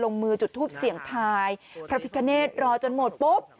มือจุดทูปเสี่ยงทายพระพิคเนตรอจนหมดปุ๊บ